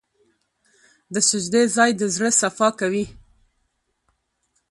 د سجدې ځای د زړه صفا کوي.